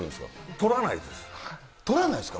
取らないですか。